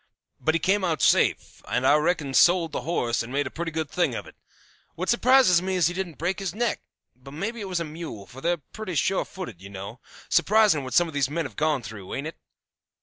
But he came out safe, and I reckon sold the horse and made a pretty good thing of it. What surprises me is he didn't break his neck; but maybe it was a mule, for they're pretty sure footed, you know. Surprising what some of these men have gone through, ain't it?